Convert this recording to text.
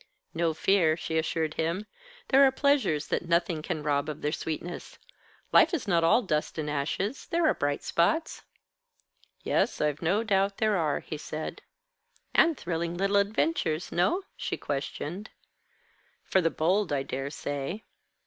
"No fear," she assured him. "There are pleasures that nothing can rob of their sweetness. Life is not all dust and ashes. There are bright spots." "Yes, I've no doubt there are," he said. "And thrilling little adventures no?" she questioned. "For the bold, I dare say."